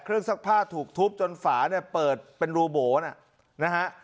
ซักผ้าถูกทุบจนฝาเนี่ยเปิดเป็นรูโบ๋นะฮะ